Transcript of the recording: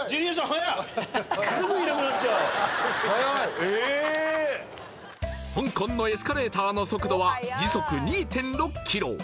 速い速いえ香港のエスカレーターの速度は時速２．６キロ